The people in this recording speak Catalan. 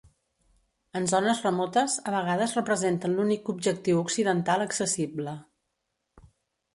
En zones remotes a vegades representen l'únic objectiu occidental accessible.